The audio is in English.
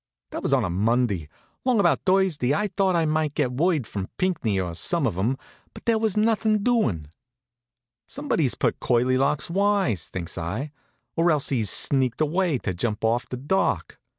That was on a Monday. Long about Thursday I thought I might get word from Pinckney, or some of 'em; but there was nothin' doin'. "Somebody's put Curly Locks wise," thinks I, "or else he's sneaked away to jump off the dock."